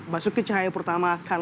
basuki cahaya pertama akan